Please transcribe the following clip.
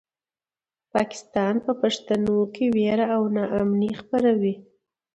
پاکستان په پښتنو کې وېره او ناامني خپروي.